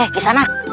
eh di sana